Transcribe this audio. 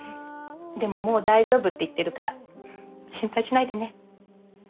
でももう大丈夫って言ってるから心配しないでね。